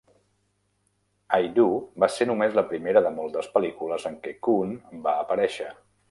"I Do" va ser només la primera de moltes pel·lícules en què Koon va aparèixer.